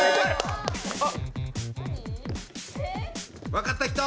分かった人！